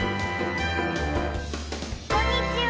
こんにちは！